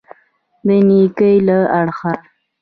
د نېکۍ له اړخه.